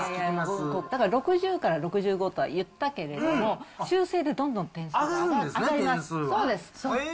だから６０から６５とは言ったけれども、修正でどんどん点数が上がります。